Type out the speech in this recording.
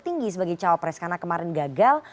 tinggi sebagai cawapres karena kemarin gagal